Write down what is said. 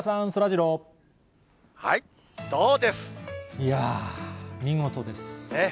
いやー、見事です。